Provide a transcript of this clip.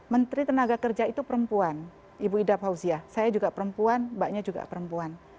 menteri tenaga kerja itu perempuan ibu ida fauzia saya juga perempuan mbaknya juga perempuan